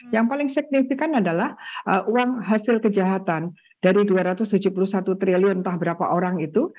yang paling signifikan adalah uang hasil kejahatan dari dua ratus tujuh puluh satu triliun entah berapa orang itu